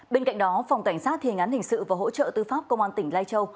bên cạnh đó phòng cảnh sát thiên án hình sự và hỗ trợ tư pháp công an tỉnh lai châu